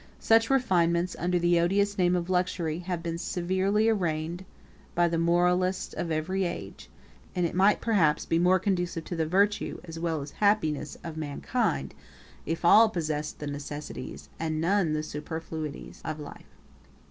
Such refinements, under the odious name of luxury, have been severely arraigned by the moralists of every age; and it might perhaps be more conducive to the virtue, as well as happiness, of mankind, if all possessed the necessaries, and none the superfluities, of life.